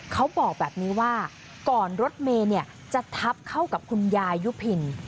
เขาบอกแบบนี้ว่าก่อนรถเมย์จะทับเข้ากับคุณยายุพิน